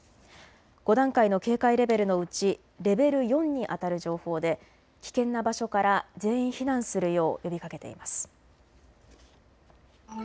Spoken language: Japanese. ５段階の警戒レベルのうちレベル４にあたる情報で危険な場所から全員避難するよう呼びかけています。